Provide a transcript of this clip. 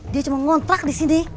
dia cuma ngontrak disini